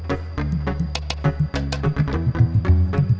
apa lo dan kok bahwa